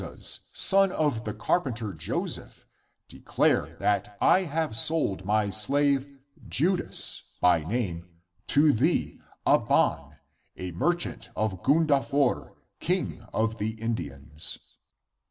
11 34 ACTS OF THOMAS 22/ son of the carpenter Joseph, declare that I have sold my slave, Judas by name, to thee, Abban, a mer chant of Gundafor, King of the Indians."